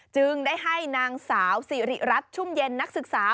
จึงได้ให้นางสาวสิริรัตนชุ่มเย็นนักศึกษา